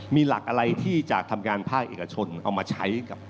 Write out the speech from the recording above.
มีหลักอะไรที่จะทำงานภาคเอกชนเอามาใช้กับ